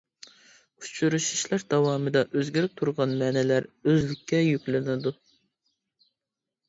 ئۇچرىشىشلار داۋامىدا ئۆزگىرىپ تۇرغان مەنىلەر ئۆزلۈككە يۈكلىنىدۇ.